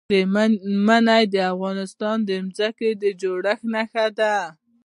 منی د افغانستان د ځمکې د جوړښت نښه ده.